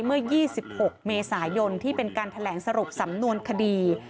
เมื่อ๒๖เมษายนที่เป็นการแถลงสรุปสำนวนคดี